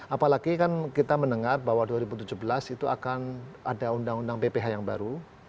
apalagi kan kita mendengar bahwa dua ribu tujuh belas itu akan ada undang undang pph yang baru